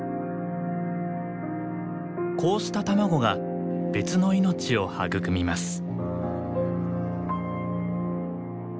こうした卵が別の命を育みます。